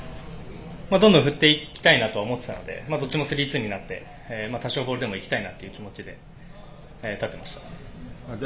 どんどん振っていきたいなとは思っていたのでどっちも３−２になって多少、ボールになっても行きたいなと思って立っていました。